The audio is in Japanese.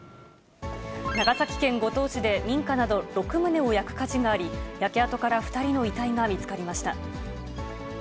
長崎県五島市で、民家など６棟を焼く火事があり、焼け跡から２人の遺体が見つかりました。